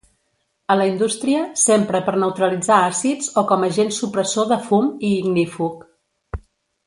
A la indústria s'empra per neutralitzar àcids o com agent supressor de fum i ignífug.